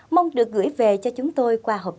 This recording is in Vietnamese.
mong được gửi về cho chúng tôi cùng các bạn